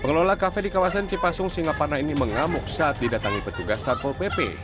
pengelola kafe di kawasan cipasung singaparna ini mengamuk saat didatangi petugas satpol pp